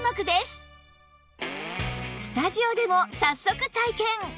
スタジオでも早速体験！